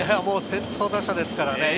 先頭打者ですからね。